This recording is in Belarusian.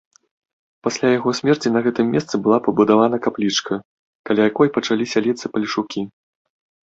Пасля яго смерці на гэтым месцы была пабудавана каплічка, каля якой пачалі сяліцца палешукі.